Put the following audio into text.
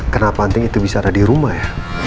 kenapa anting itu bisa ada di rumah ya